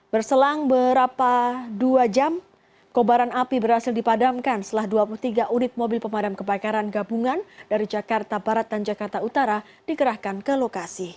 berselang berapa dua jam kobaran api berhasil dipadamkan setelah dua puluh tiga unit mobil pemadam kebakaran gabungan dari jakarta barat dan jakarta utara dikerahkan ke lokasi